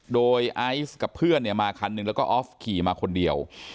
โดยไอซ์กับเพื่อนมาคันหนึ่งแล้วก็ออฟขี่มาคนเดียว